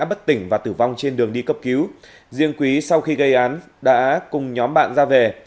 bất tỉnh và tử vong trên đường đi cấp cứu riêng quý sau khi gây án đã cùng nhóm bạn ra về